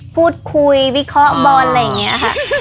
พูดคุยวิเคราะห์บอลอะไรอย่างนี้ค่ะ